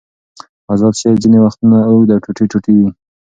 آزاد شعر ځینې وختونه اوږد او ټوټې ټوټې وي.